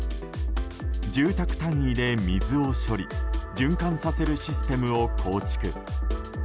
住宅単位で水を処理・循環させるシステムを構築。